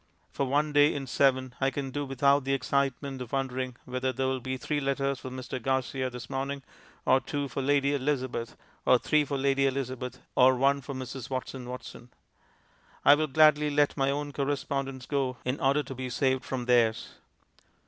For one day in seven I can do without the excitement of wondering whether there will be three letters for Mr. Garcia this morning, or two for Lady Elizabeth, or three for Lady Elizabeth, or one for Mrs. Watson Watson. I will gladly let my own correspondence go in order to be saved from theirs.